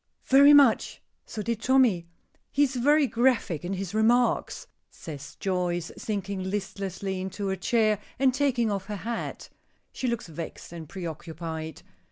"Very much. So did Tommy. He is very graphic in his remarks," says Joyce, sinking listlessly into a chair, and taking off her hat. She looks vexed and preoccupied.